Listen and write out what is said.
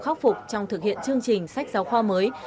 chính phủ khắc phục trong thực hiện chương trình sách giáo khoa mới